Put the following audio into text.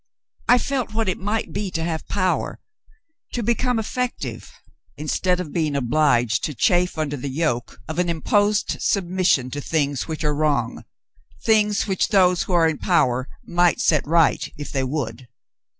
I felt what it might be to have power — to become effective instead of being obliged to chafe under the yoke of an imposed submission to things which are wrong — things which those who are in power might set right if they would.